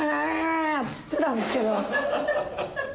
っつってたんですけど。